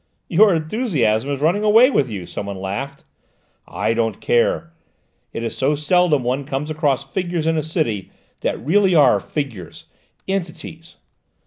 "Your enthusiasm is running away with you," someone laughed. "I don't care! It is so seldom one comes across figures in a city that really are figures, entities.